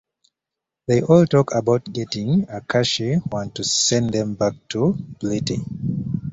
They all talk about getting a 'cushy' one to send them back to 'Blitey'.